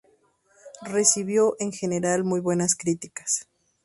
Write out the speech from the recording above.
Recibió, en general, muy buenas críticas.